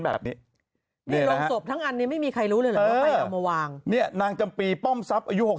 แบบนี้ทั้งอันนี้ไม่มีใครรู้เลยนางจำปีป้อมทรัพย์อายุ